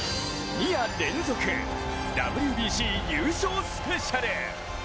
２夜連続、ＷＢＣ優勝スペシャル。